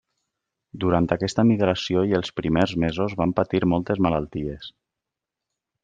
Durant aquesta migració i els primers mesos van patir moltes malalties.